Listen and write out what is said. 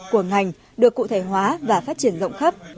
của ngành được cụ thể hóa và phát triển rộng khắp